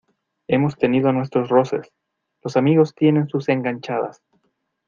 hemos tenido nuestros roces. los amigos tienen sus enganchadas